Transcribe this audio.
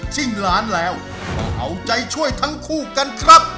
ล้านแล้วมาเอาใจช่วยทั้งคู่กันครับ